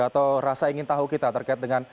atau rasa ingin tahu kita terkait dengan